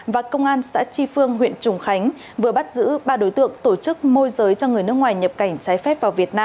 và công an xã tri phương huyện trùng khánh vừa bắt giữ ba đối tượng tổ chức môi giới cho người nước ngoài nhập cảnh trái phép vào việt nam